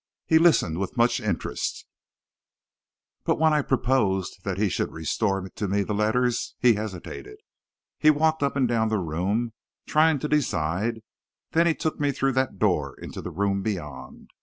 He listened with much interest; but when I proposed that he should restore to me the letters, he hesitated. He walked up and down the room, trying to decide; then he took me through that door into the room beyond.